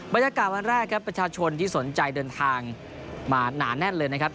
บรรยากาศวันแรกครับประชาชนที่สนใจเดินทางมาหนาแน่นเลยนะครับ